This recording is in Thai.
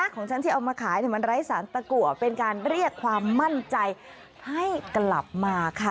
ของฉันที่เอามาขายมันไร้สารตะกัวเป็นการเรียกความมั่นใจให้กลับมาค่ะ